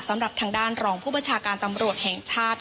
สำหรับทางด้านรองผู้บัญชาการตำรวจแห่งชาติ